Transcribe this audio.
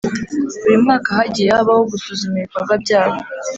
Buri mwaka hagiye habaho gusuzuma ibikorwa byabo